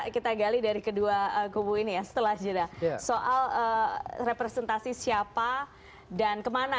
kita gali dari kedua kubu ini ya setelah jeda soal representasi siapa dan kemana